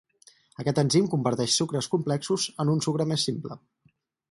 Aquest enzim converteix sucres complexos en un sucre més simple.